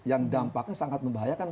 yang dampaknya sangat membahayakan